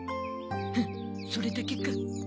フッそれだけか。